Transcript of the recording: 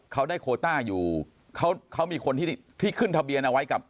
เขาได้โคต้าอยู่เขามีคนที่ขึ้นทะเบียนเอาไว้กับ